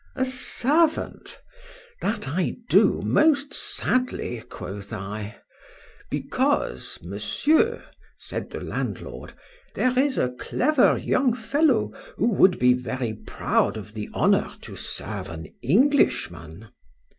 A servant! That I do most sadly, quoth I.—Because, Monsieur, said the landlord, there is a clever young fellow, who would be very proud of the honour to serve an Englishman.